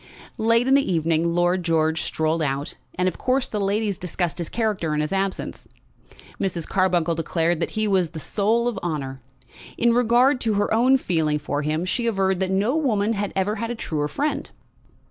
Late in the evening Lord George strolled out, and of course the ladies discussed his character in his absence. Mrs. Carbuncle declared that he was the soul of honour. In regard to her own feeling for him, she averred that no woman had ever had a truer friend.